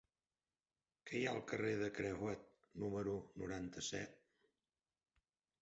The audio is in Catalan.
Què hi ha al carrer de Crehuet número noranta-set?